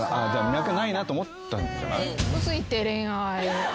脈ないと思ったんじゃない？